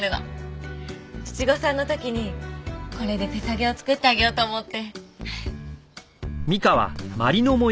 七五三の時にこれで手提げを作ってあげようと思って。